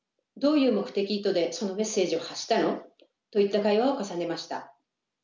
どういう目的・意図でそのメッセージを発したの？といった会話を重ねました。